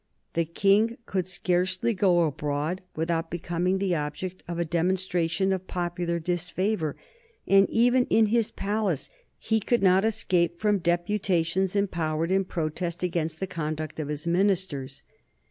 The King could scarcely go abroad without becoming the object of a demonstration of popular disfavor, and even in his palace he could not escape from deputations empowered to protest against the conduct of his ministers.